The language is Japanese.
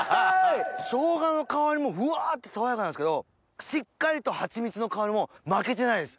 生姜の香りもフワって爽やかなんすけどしっかりとハチミツの香りも負けてないです。